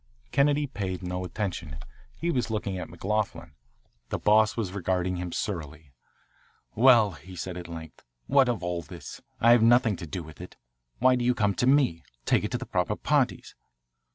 Kennedy paid no attention. He was looking at McLoughlin. The Boss was regarding him surlily. "Well," he said at length, "what of all this? I had nothing to do with it. Why do you come to me? Take it to the proper parties."